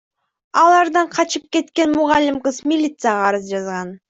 Алардан качып кеткен мугалим кыз милицияга арыз жазган.